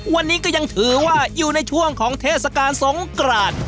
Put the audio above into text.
วันนี้ก็ยังถือว่าอยู่ในช่วงของเทศกาลสงกราน